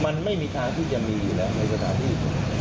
มันไม่มีทางที่จะมีอยู่แล้วในสถานที่